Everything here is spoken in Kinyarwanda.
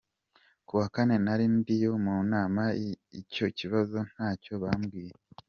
Ku wa kane nari ndiyo mu nama icyo kibazo ntacyo babwiye.